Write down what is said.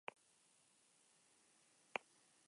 Angelu erlatiboak mantendu egiten dira.